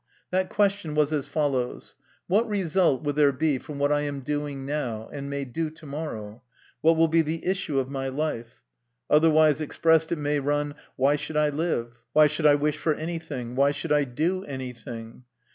That question was as follows :" What result will there be from what I am doing now, and may do to morrow? what will be the issue of my life ?" Otherwise expressed, it may run :" Why should I live ? why should I wish for anything? why should I do anything?"